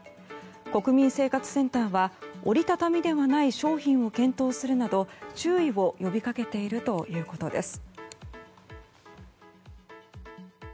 国民生活センターは折り畳みではない商品を検討するなど注意を呼びかけているということです。